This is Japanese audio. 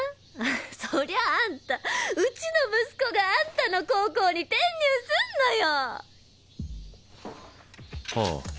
そりゃあんたうちの息子があんたの高校に転入すんのよはあ